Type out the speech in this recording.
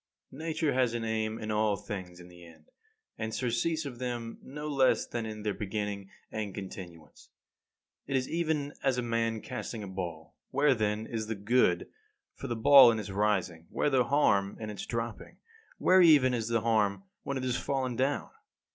20. Nature has an aim in all things, in the end and surcease of them no less than in their beginning and continuance. It is even as a man casting a ball. Where, then, is the good for the ball in its rising; where the harm in dropping; where even is the harm when it has fallen down?